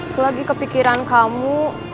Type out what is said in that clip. aku lagi kepikiran kamu